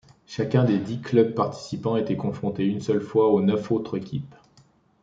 Chacun des dix clubs participant était confronté une seule fois aux neuf autres équipes.